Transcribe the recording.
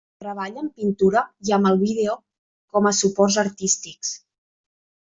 Treballa amb pintura i amb el vídeo com a suports artístics.